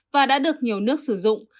và đã được nhiều nước sử dụng